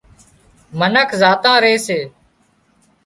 منک زاتان ري سي